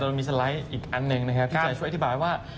ต้องมีสไลด์อีกอันหนึ่งนะครับ